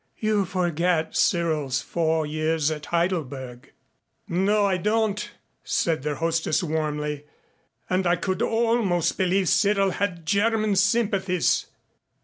"You forget Cyril's four years at Heidelberg." "No I don't," said their hostess warmly, "and I could almost believe Cyril had German sympathies."